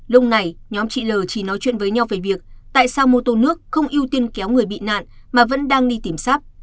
lúc này nhóm chị l chỉ nói chuyện với nhau về việc tại sao mô tô nước không ưu tiên kéo người bị nạn mà vẫn đang đi tìm sát